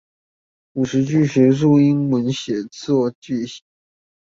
五十句學術英文寫作句型